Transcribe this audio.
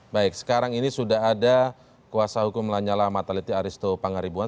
baik sekarang ini sudah ada kuasa hukum lanyala mataliti aristo pangaribuan